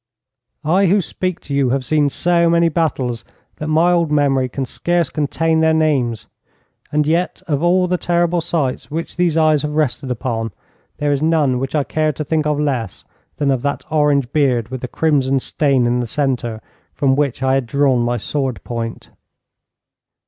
I who speak to you have seen so many battles, that my old memory can scarce contain their names, and yet of all the terrible sights which these eyes have rested upon, there is none which I care to think of less than of that orange beard with the crimson stain in the centre, from which I had drawn my sword point.